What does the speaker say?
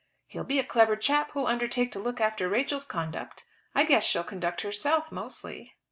"He'll be a clever chap who'll undertake to look after Rachel's conduct. I guess she'll conduct herself mostly."